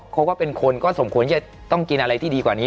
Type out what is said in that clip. เขาก็เป็นคนก็สมควรจะต้องกินอะไรที่ดีกว่านี้